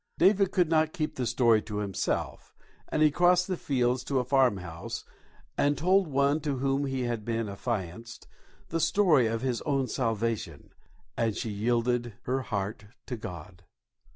David could not keep the story to himself, and he crossed the fields to a farmhouse and told one to whom he had been affianced the story of his own salvation, and she yielded her heart to God.